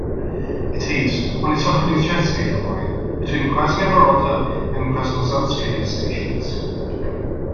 It is on the Sokolnicheskaya Line, between Krasnye Vorota and Krasnoselskaya stations.